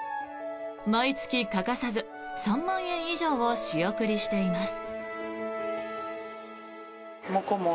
毎月欠かさず３万円以上を仕送りしています。